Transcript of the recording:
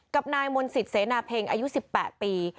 กับนายมนศิษย์เสนาเพ็งอายุ๑๘ปี